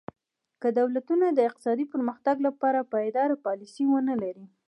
که دولتونه د اقتصادي پرمختګ لپاره پایداره پالیسي ونه لري.